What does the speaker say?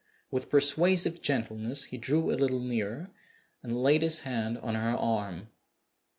With persuasive gentleness he drew a little nearer, and laid his hand on her arm.